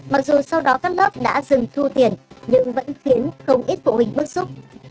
mặc dù sau đó các lớp đã dừng thu tiền nhưng vẫn khiến không ít phụ huynh bức xúc